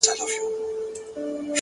هوښیار انتخاب اوږدمهاله ګټه راوړي؛